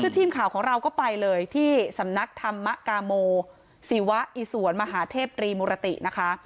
คือทีมข่าวของเราก็ไปเลยที่สำนักธรรมกาโมศิวะอิสวนมหาเทพตรีมุรตินะคะ